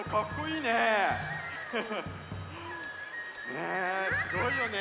ねえすごいよね？